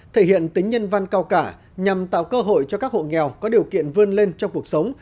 thể hiện tính nhân văn cao cả nhằm tạo cơ hội cho các hộ nghèo có điều kiện vươn lên trong cuộc sống